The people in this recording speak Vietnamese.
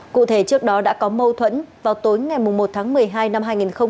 cụ thể trước đó đã có mâu thuẫn vào tối ngày một tháng một mươi hai năm hai nghìn một mươi ba